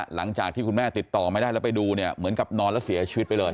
หลังจากที่คุณแม่ติดต่อไม่ได้แล้วไปดูเนี่ยเหมือนกับนอนแล้วเสียชีวิตไปเลย